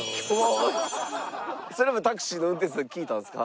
それもタクシーの運転士さんに聞いたんですか？